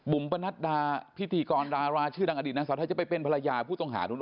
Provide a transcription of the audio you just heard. ปนัดดาพิธีกรดาราชื่อดังอดีตนางสาวไทยจะไปเป็นภรรยาผู้ต้องหานู้น